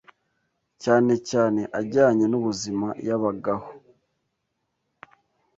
cyane cyane ajyanye n’ubuzima yabagaho